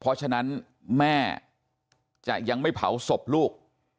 เพราะฉะนั้นแม่จะยังไม่เผาศพลูก